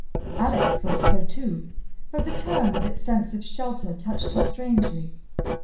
Alex thought so too, but the term with its sense of shelter touched her strangely.